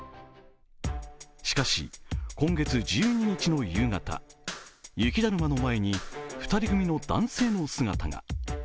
しかし、今月１２日の夕方雪だるまの前に２人組の男性の姿が。